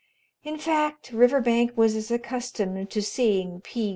In fact, Riverbank was as accustomed to seeing P.